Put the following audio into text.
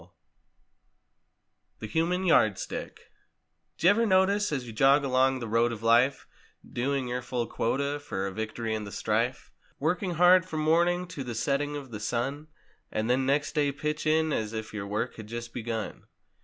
54 THE HUMAN YARD STICK Jevyer notice as you jog along the Road of Life Doing your full quota for a victory in the strife ; Working hard from morning to the setting of the sun And then next day pitch in as if your Avork had just begun?